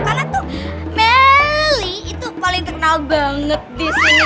karena tuh meli itu paling terkenal banget di sini